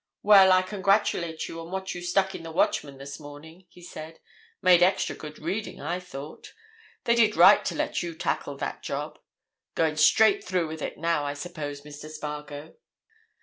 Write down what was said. "Well, I congratulate you on what you stuck in the Watchman this morning," he said. "Made extra good reading, I thought. They did right to let you tackle that job. Going straight through with it now, I suppose, Mr. Spargo?"